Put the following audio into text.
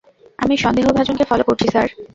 আমি সন্দেহভাজনকে ফলো করছি, স্যার।